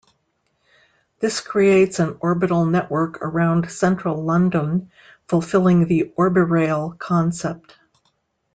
This creates an orbital network around Central London, fulfilling the Orbirail concept.